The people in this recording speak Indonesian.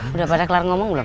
sudah pada kelar ngomong belum